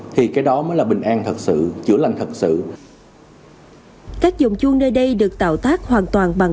thì cái đó mới là bình an thật sự chữa lành thật sự các dòng chuông nơi đây được tạo tác hoàn toàn bằng